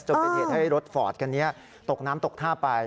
เป็นเหตุให้รถฟอร์ดคันนี้ตกน้ำตกท่าไป